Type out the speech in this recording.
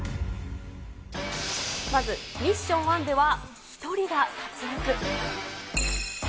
まず、ミッション１では１人が脱落。